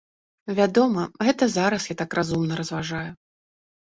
Вядома, гэта зараз я так разумна разважаю.